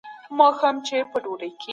نوی نسل باید علم ته مخه کړي.